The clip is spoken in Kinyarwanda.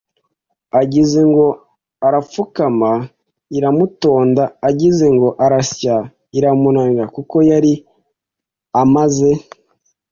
Agize ngo arapfukama iramutonda agize ngo arasya iramunanira kuko yari amaze